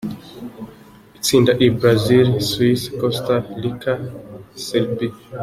Itsinda E: Brazil, Suisse, Costa Rica, Serbie.